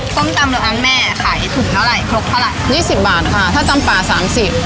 ส้มตำเดี๋ยวอันแม่ขายไอ้ถุงเท่าไรครบเท่าไรยี่สิบบาทนะคะถ้าตำป่าสามสิบ